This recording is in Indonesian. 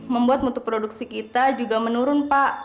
membuat mutu produksi kita juga menurun pak